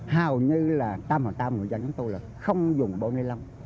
hào như là ba trăm linh người dân giống tôi là không dùng bộ ni lông